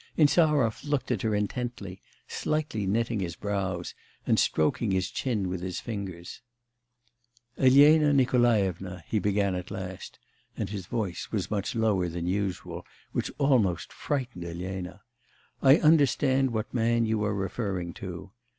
Insarov looked at her intently, slightly knitting his brows, and stroking his chin with his fingers. 'Elena Nikolaevna,' he began at last, and his voice was much lower than usual, which almost frightened Elena, 'I understand what man you are referring to.